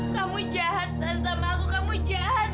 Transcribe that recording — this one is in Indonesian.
kamu jahat san sama aku kamu jahat